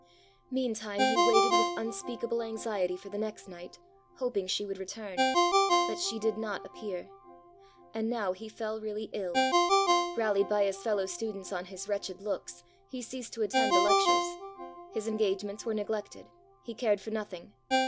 Meantime he waited with unspeakable anxiety for the next night, hoping she would return: but she did not appear. And now he fell really ill. Rallied by his fellow students on his wretched looks, he ceased to attend the lectures. His engagements were neglected. He cared for nothing.